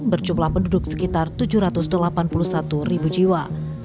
berjumlah penduduk sekitar tujuh ratus delapan puluh satu ribu jiwa